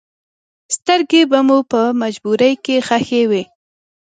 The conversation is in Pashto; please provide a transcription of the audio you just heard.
سترګې به مو په جمبوري کې ښخې وې.